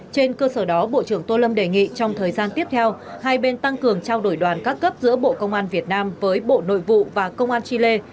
trên cơ sở đó bộ trưởng tô lâm đề nghị trong thời gian tiếp theo hai bên tăng cường trao đổi đoàn các cấp giữa bộ công an việt nam với bộ nội vụ và công an chile